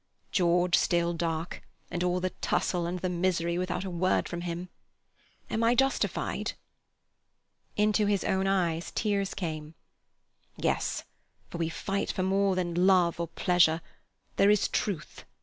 George still dark, all the tussle and the misery without a word from him. Am I justified?" Into his own eyes tears came. "Yes, for we fight for more than Love or Pleasure; there is Truth.